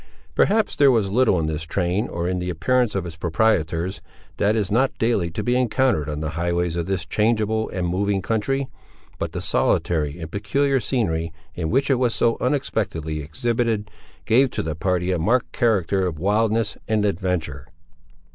Perhaps there was little in this train, or in the appearance of its proprietors, that is not daily to be encountered on the highways of this changeable and moving country. But the solitary and peculiar scenery, in which it was so unexpectedly exhibited, gave to the party a marked character of wildness and adventure.